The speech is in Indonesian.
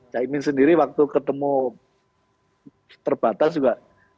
cak imin sendiri waktu ketemu terbatas juga